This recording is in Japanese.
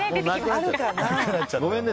ごめんね。